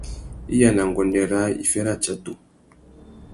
Iya na nguêndê râā, iffê râtsatu.